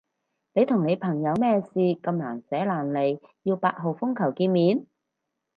你同你朋友咩事咁難捨難離要八號風球見面？